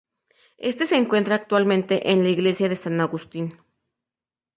Este se encuentra actualmente en la iglesia de San Agustín.